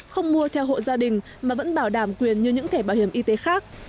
không mua theo hộ gia đình mà vẫn bảo đảm quyền như những thẻ bảo hiểm y tế khác